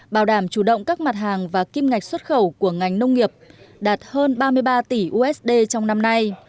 bảo đảm chủ động các mặt hàng và kim ngạch xuất khẩu của ngành nông nghiệp đạt hơn ba mươi ba tỷ usd trong năm nay